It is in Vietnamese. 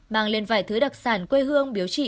mang lên vài thứ đặc sản quê hương biếu trị